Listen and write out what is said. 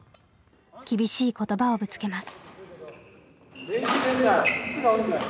厳しい言葉をぶつけます。